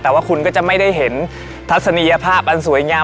แต่ว่าคุณก็จะไม่ได้เห็นทัศนียภาพอันสวยงาม